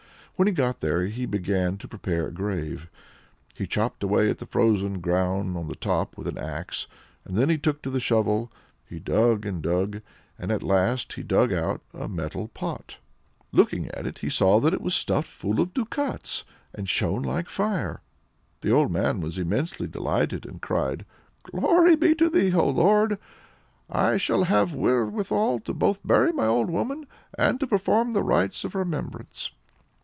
When he got there he began to prepare a grave. He chopped away the frozen ground on the top with the axe, and then he took to the shovel. He dug and dug, and at last he dug out a metal pot. Looking into it he saw that it was stuffed full of ducats that shone like fire. The old man was immensely delighted, and cried, "Glory be to Thee, O Lord! I shall have wherewithal both to bury my old woman, and to perform the rites of remembrance."